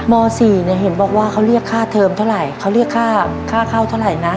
ม๔เนี่ยเห็นบอกว่าเขาเรียกค่าเทอมเท่าไหร่เขาเรียกค่าค่าเข้าเท่าไหร่นะ